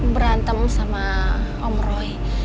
berantem sama om roy